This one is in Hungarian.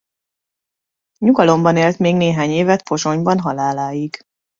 Nyugalomban élt még néhány évet Pozsonyban haláláig.